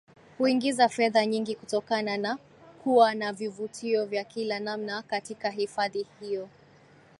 Huingiza fedha nyingi kutokana na kuwa na vivutio vya kila namna katika hifadhi hiyo